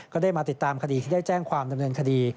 ก็ได้มาติดตามคดีที่ได้แจ้งความดำเนินคดี